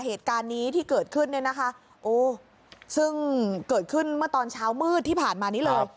เหตุการณ์นี้ที่เกิดขึ้นเนี่ยนะคะโอ้ซึ่งเกิดขึ้นเมื่อตอนเช้ามืดที่ผ่านมานี้เลย